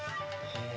へえ。